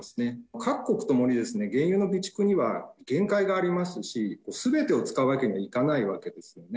各国ともに、原油の備蓄には限界がありますし、すべてを使うわけにはいかないわけですよね。